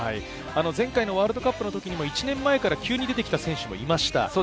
前回のワールドカップの時、１年前から急に出てきた選手もいました。